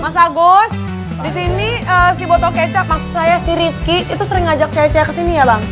mas agus disini si botol kecap maksud saya si rifki itu sering ngajak cewek cewek kesini ya bang